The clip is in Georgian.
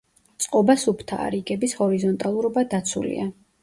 წყობა სუფთაა, რიგების ჰორიზონტალურობა დაცულია.